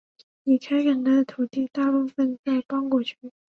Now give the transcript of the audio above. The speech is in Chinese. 已开垦的土地大部分在邦果区。